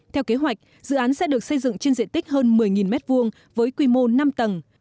theo kế hoạch dự án sẽ được xây dựng trên diện tích hơn một mươi m hai với quy mô năm tầng